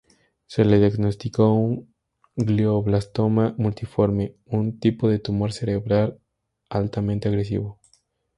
Se le diagnosticó un glioblastoma multiforme, un tipo de tumor cerebral altamente agresivo.